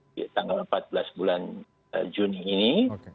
di tanggal empat belas bulan juni ini